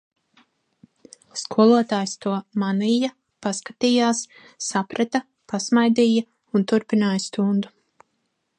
Skolotājs to manīja, paskatījās, saprata, pasmaidīja un turpināja stundu.